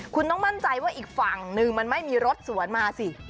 คุณต้องมั่นใจว่าอีกฝั่งนึงมันไม่มีรถสวนมาสิ